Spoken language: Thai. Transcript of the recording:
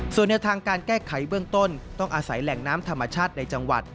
ส่วนแนวทางการแก้ไขเบื้องต้นต้องอาศัยแหล่งน้ำธรรมชาติในจังหวัด